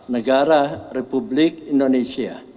negara republik indonesia